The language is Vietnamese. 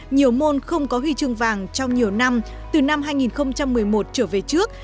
nhiều môn không có huy chương vàng trong nhiều năm từ năm hai nghìn một mươi một trở về trước